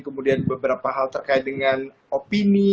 kemudian beberapa hal terkait dengan opini